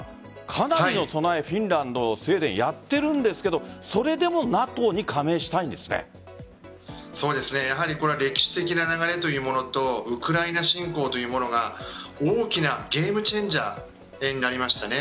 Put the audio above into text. かなりの備えフィンランド、スウェーデンやっているんですけどそれでもやはり歴史的な流れというものとウクライナ侵攻というものが大きなゲームチェンジャーになりましたね。